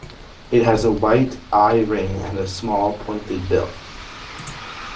It has a white eyering and a small, pointed bill.